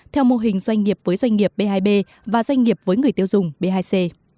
theo mô hình doanh nghiệp với doanh nghiệp b hai b và doanh nghiệp với người tiêu dùng b hai c